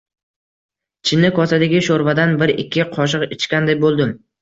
Chinni kosadagi sho‘rvadan bir-ikki qoshiq ichganday bo‘ldim